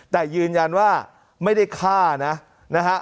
แต่ยืนยันว่าไม่ได้ฆ่านะนะฮะ